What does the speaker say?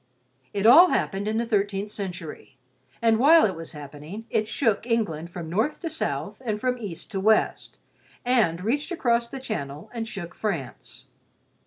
It all happened in the thirteenth century, and while it was happening, it shook England from north to south and from east to west; and reached across the channel and shook France.